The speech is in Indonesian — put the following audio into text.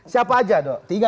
siapa aja dong